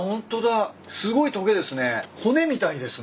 すごいとげですね。